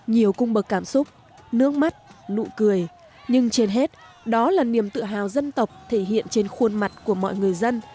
nhiều cung bậc cảm xúc nước mắt nụ cười nhưng trên hết đó là niềm tự hào dân tộc thể hiện trên khuôn mặt của mọi người dân